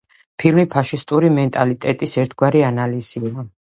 ფილმი ფაშისტური მენტალიტეტის ერთგვარი ანალიზია.